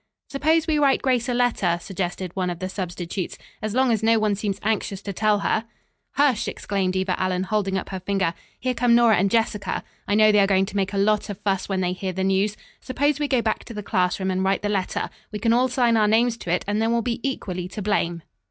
"Suppose we write Grace a letter," suggested one of the substitutes, "as long as no one seems anxious to tell her." "Hush," exclaimed Eva Allen, holding up her finger. "Here come Nora and Jessica. I know they are going to make a lot of fuss when they hear the news. Suppose we go back to the classroom and write the letter. We can all sign our names to it, and then we'll be equally to blame."